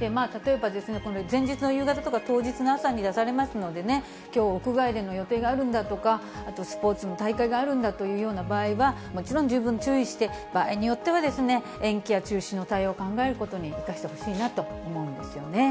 例えば、前日の夕方とか当日の朝に出されますのでね、きょう屋外での予定があるんだとか、あとスポーツの大会があるんだというような場合は、もちろん十分注意して、場合によっては、延期や中止の対応を考えることに出してほしいなと思うんですよね。